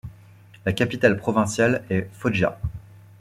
La capitale provinciale est Foggia.